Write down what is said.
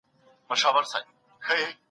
چېري د پیرودونکو د ساتني ادارې شتون لري؟